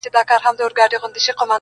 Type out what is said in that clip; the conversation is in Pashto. دا څه معلومه ده ملگرو که سبا مړ سوم,